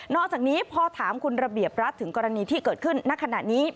อกจากนี้พอถามคุณระเบียบรัฐถึงกรณีที่เกิดขึ้นณขณะนี้